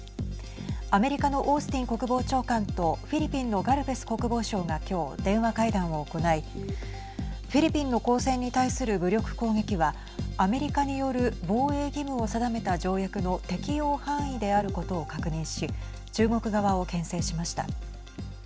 アメリカのオースティン国防長官とフィリピンのガルベス国防相が今日、電話会談を行いフィリピンの攻勢に対する武力攻撃はアメリカによる防衛義務を定めた条約の適用範囲であることを確認し中国側をけん制しました。